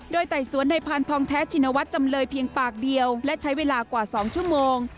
โดยไต่สวนในพานทองแท้ชินวัฒน์จำเลยเพียงปากเดียวและใช้เวลากว่า๒ชั่วโมง